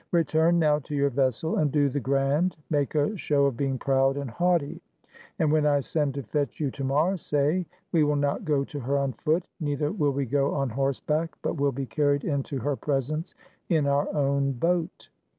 Re turn now to your vessel and do the grand; make a show of being proud and haughty. And when I send to fetch you to morrow, say, 'We will not go to her on foot, nei ther will we go on horseback but will be carried into her presence in our own boat.'